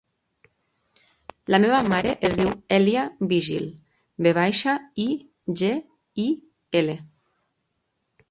La meva mare es diu Èlia Vigil: ve baixa, i, ge, i, ela.